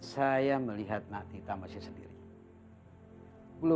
sepandung saja sina sina rakyat regarding propriety